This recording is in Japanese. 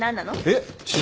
えっ？